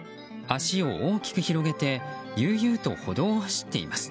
足を大きく広げて悠々と歩道を走っています。